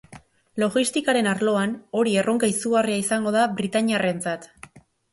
Logistikaren arloan hori erronka izugarria izango da britainiarrentzat.